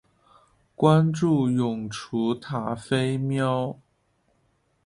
关注永雏塔菲喵